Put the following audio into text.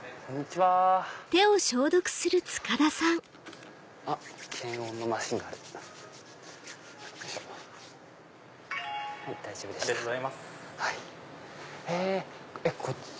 はい。